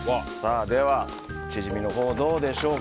ではチヂミのほうどうでしょうか。